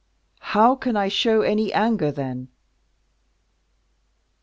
"How can I show any anger, then?"